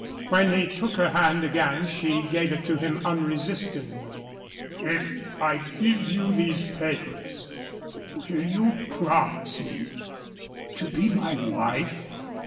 When he took her hand again she gave it to him unresistingly. "If I give you these papers, will you promise me to be my wife?"